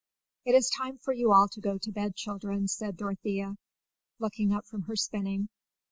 "It is time for you all to go to bed, children," said Dorothea, looking up from her spinning.